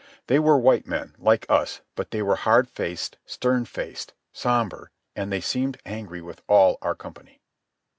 They were white men, like us, but they were hard faced, stern faced, sombre, and they seemed angry with all our company.